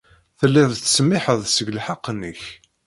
Telliḍ tettsemmiḥeḍ seg lḥeqq-nnek.